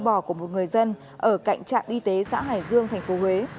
bò của một người dân ở cạnh trạm y tế xã hải dương tp huế